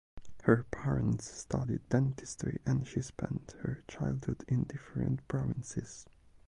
Her parents studied dentistry and she spent her childhood in different provinces.